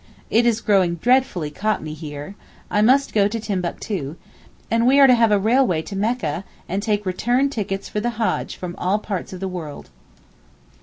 It is growing dreadfully Cockney here, I must go to Timbuctoo: and we are to have a railway to Mecca, and take return tickets for the Haj from all parts of the world.